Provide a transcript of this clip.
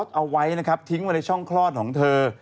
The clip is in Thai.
ได้มีการลืมผ้าก๊อตเอาไว้นะครับทิ้งไว้ในช่องคลอดของเธอ